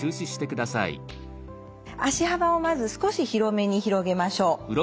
足幅をまず少し広めに広げましょう。